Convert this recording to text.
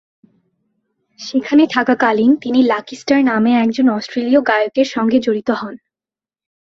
সেখানে থাকাকালীন তিনি লাকি স্টার নামে একজন অস্ট্রেলীয় গায়কের সঙ্গে জড়িত হন।